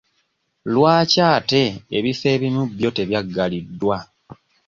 Lwaki ate ebifo ebimu byo tebyaggaliddwa?